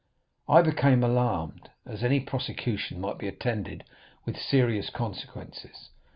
I became alarmed, as any prosecution might be attended with serious consequences.